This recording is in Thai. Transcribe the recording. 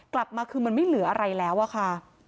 กลับมาคือมันไม่เหลืออะไรแล้วอะค่ะ